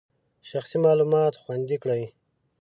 شخصي معلومات خوندي کړئ.